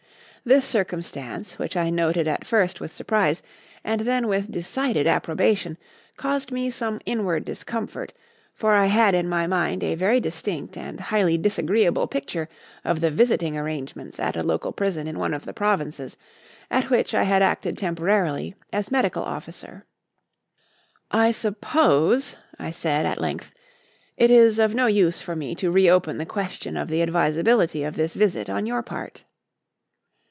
This circumstance, which I noted at first with surprise and then with decided approbation, caused me some inward discomfort, for I had in my mind a very distinct and highly disagreeable picture of the visiting arrangements at a local prison in one of the provinces, at which I had acted temporarily as medical officer. "I suppose," I said at length, "it is of no use for me to re open the question of the advisability of this visit on your part?"